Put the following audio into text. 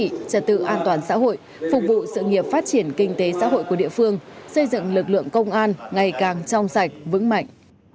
chính trị trật tự an toàn xã hội phục vụ sự nghiệp phát triển kinh tế xã hội của địa phương xây dựng lực lượng công an ngày càng trong sạch vững mạnh